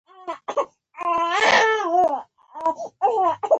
مراندې يې مځکه کې ،